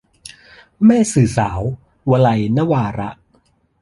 แม่สื่อสาว - วลัย นวาระ